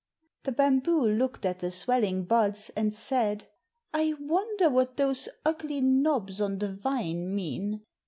The bamboo looked at the swelling buds and said, "I wonder what those ugly knobs on the vine mean.